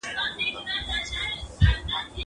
زه پرون سبا ته فکر کوم.